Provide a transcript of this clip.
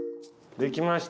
できました。